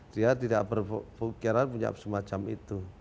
dia tidak berpikiran punya semacam itu